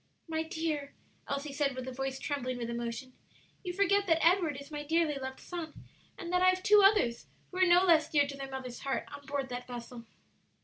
"My dear," Elsie said, with a voice trembling with emotion, "you forget that Edward is my dearly loved son, and that I have two others, who are no less dear to their mother's heart, on board that vessel."